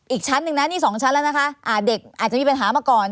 อีกชั้นหนึ่งนะนี่สองชั้นแล้วนะคะเด็กอาจจะมีปัญหามาก่อน